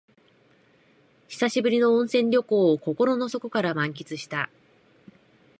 久しぶりの温泉旅行を心の底から満喫した